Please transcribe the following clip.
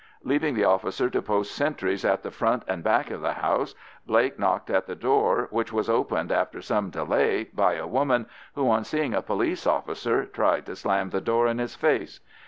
Leaving the officer to post sentries at the front and back of the house, Blake knocked at the door, which was opened after some delay by a woman, who, on seeing a police officer, tried to slam the door in his face.